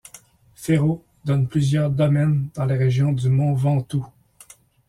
Féraud donne plusieurs domaines dans la région du Mont-Ventoux.